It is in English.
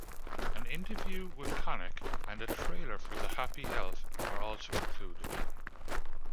An interview with Connick and a trailer for The Happy Elf are also included.